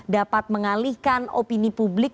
dapat mengalihkan opini publik